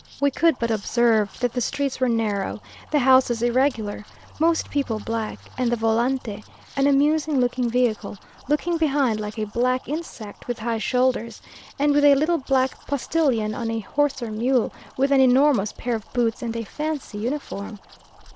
We could but observe that the streets were narrow, the houses irregular, most people black, and the volante, an amusing looking vehicle, looking behind like a black insect with high shoulders, and with a little black postilion on a horse or mule, with an enormous pair of boots and a fancy uniform.